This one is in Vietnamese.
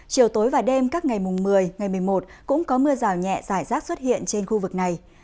chiều tối và đêm các ngày mùng một mươi ngày một mươi một cũng có mưa rào nhẹ giải rác xuất hiện trên khu vực này